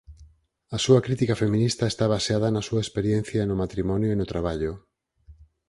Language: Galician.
A súa crítica feminista está baseada na súa experiencia no matrimonio e no traballo.